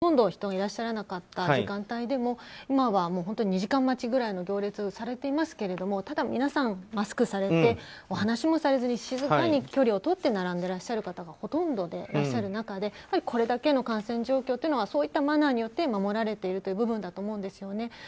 私も初詣の神社などに参りましても去年はほとんど人がいらっしゃらなかった時間帯でも今は、２時間待ちぐらいの行列されていますけどもただ皆さんマスクをされてお話もされずに静かに距離をとって並んでらっしゃる方がほとんどでいらっしゃる中でこれだけの感染状況はそういったマナーによって守られている部分だと思うんですよね。